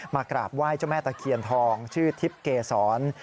กราบไหว้เจ้าแม่ตะเคียนทองชื่อทิพย์เกษร